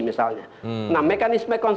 misalnya nah mekanisme